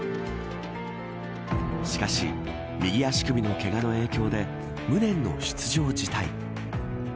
しかし、右足首のけがの影響で無念の出場辞退。